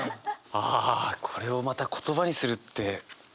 あああこれをまた言葉にするって。